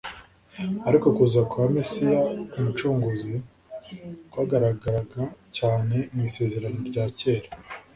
Ariko kuza kwa Mesiya Umucunguzi kwagaragaraga cyane mu Isezerano rya kera.